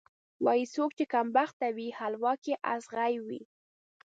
وایي: څوک چې کمبخته وي، حلوا کې یې ازغی وي.